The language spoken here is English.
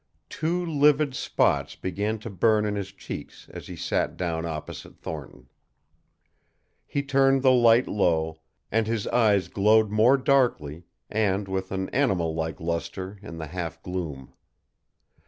Two livid spots began to burn in his cheeks as he sat down opposite Thornton. He turned the light low, and his eyes glowed more darkly and with an animal like luster in the half gloom.